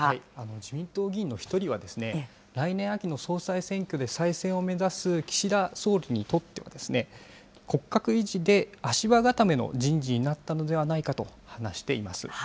自民党議員の１人はですね、来年秋の総裁選挙で再選を目指す岸田総理にとっては骨格維持で足場固めの人事になったのではないかと話しています。